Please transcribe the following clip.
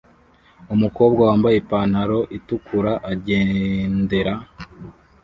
umukobwa wambaye ipantaro itukura agendera